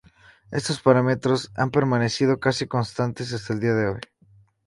Estos parámetros han permanecido casi constantes hasta el día de hoy.